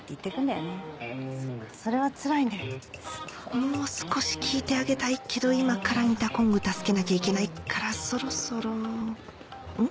もう少し聞いてあげたいけど今からミタコング助けなきゃいけないからそろそろん？